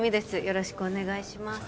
よろしくお願いします